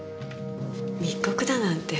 密告だなんて。